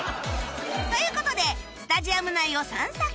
という事でスタジアム内を散策